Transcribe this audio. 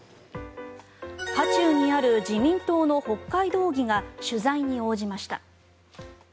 渦中にある自民党の北海道議が取材に応じました。